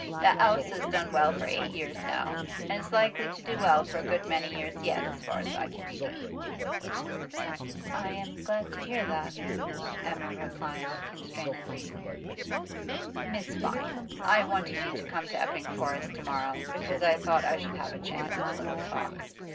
The 'ouse has done well for eight years now, an' it's likely to do well for a good many years yet, as far as I can see.' 'I am glad to hear that,' Emma replied constrainedly. 'Miss Vine, I wanted you to come to Epping Forest to morrow because I thought I should have a chance of a little talk.